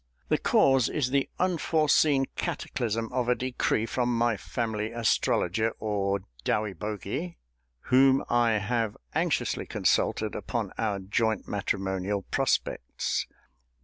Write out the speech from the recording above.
The cause is the unforeseen cataclysm of a decree from my family astrologer or dowyboghee, whom I have anxiously consulted upon our joint matrimonial prospects.